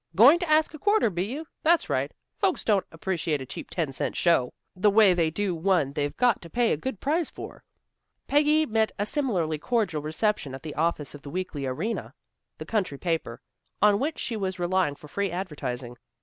Going to ask a quarter, be you? That's right. Folks don't appreciate a cheap ten cent show, the way they do one they've got to pay a good price for." Peggy met a similarly cordial reception at the office of the Weekly Arena, the country paper, on which she was relying for free advertising. Mr.